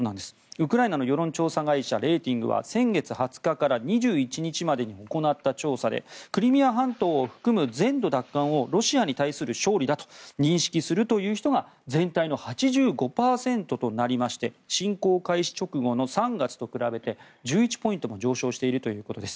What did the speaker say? ウクライナの世論調査会社レーティングは先月２０日から２１日までに行った調査でクリミア半島を含む全土奪還をロシアに対する勝利だと認識するという人が全体の８５％となりまして侵攻開始直後の３月と比べて１１ポイントも上昇しているということです。